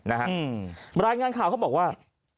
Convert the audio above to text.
รายงานข่าวเขาบอกว่า